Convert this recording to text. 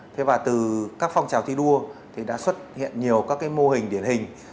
thế và từ các phong trào thi đua đã xuất hiện nhiều các mô hình điển hình